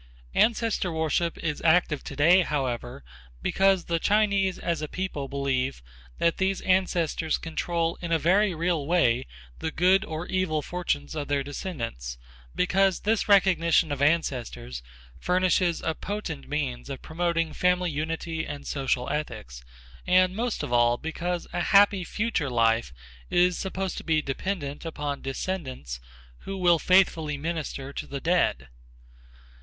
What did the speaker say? Ancestor worship is active today, however, because the Chinese as a people believe that these ancestors control in a very real way the good or evil fortunes of their descendants, because this recognition of ancestors furnishes a potent means of promoting family unity and social ethics, and, most of all, because a happy future life is supposed to be dependent upon descendants who will faithfully minister to the dead.